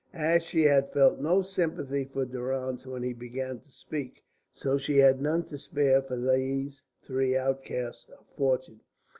As she had felt no sympathy for Durrance when he began to speak, so she had none to spare for these three outcasts of fortune.